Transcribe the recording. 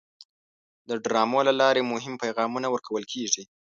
د ډرامو له لارې مهم پیغامونه ورکول کېږي.